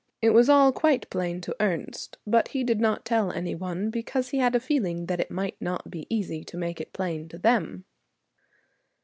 It was all quite plain to Ernest, but he did not tell any one: because he had a feeling that it might not be easy to make it plain to them.